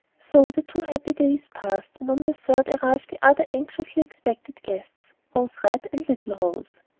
So the two happy days passed, and on the third arrived the other anxiously expected guests, Rose Red and little Rose.